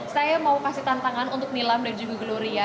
saya mau kasih tantangan untuk nilam dan juga gloria